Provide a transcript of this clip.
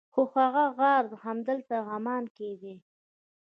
هو هغه غار همدلته عمان کې دی.